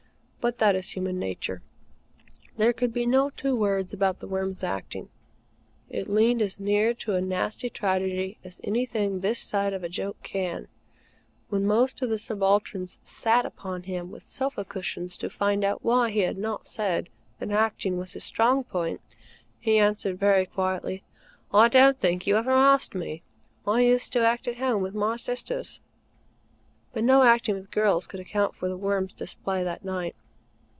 But that is human nature. There could be no two words about The Worm's acting. It leaned as near to a nasty tragedy as anything this side of a joke can. When most of the Subalterns sat upon him with sofa cushions to find out why he had not said that acting was his strong point, he answered very quietly: "I don't think you ever asked me. I used to act at Home with my sisters." But no acting with girls could account for The Worm's display that night.